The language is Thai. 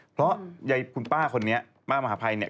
เพราะยายคุณป้าคนนี้ป้ามหาภัยเนี่ย